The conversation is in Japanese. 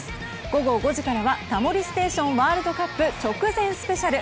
午後５時からは「タモリステーション」ワールドカップ直前スペシャル！